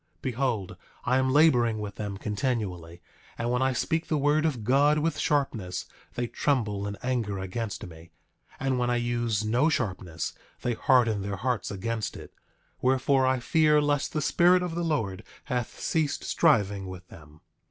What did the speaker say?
9:4 Behold, I am laboring with them continually; and when I speak the word of God with sharpness they tremble and anger against me; and when I use no sharpness they harden their hearts against it; wherefore, I fear lest the Spirit of the Lord hath ceased striving with them.